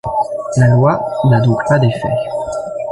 La Loi n'a donc pas d'effet.